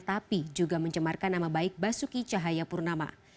tapi juga mencemarkan nama baik basuki cahayapurnama